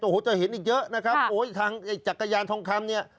โอ้โหจะเห็นอีกเยอะนะครับโอ้ยทางไอ้จักรยานทองคำเนี่ย